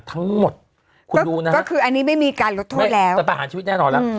ทั้งหมดคุณดูนะก็คืออันนี้ไม่มีการลดโทษแล้วแต่ประหารชีวิตแน่นอนแล้ว